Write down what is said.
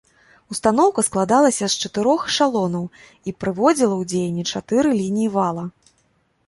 Устаноўка складалася з чатырох эшалонаў і прыводзіла ў дзеянне чатыры лініі вала.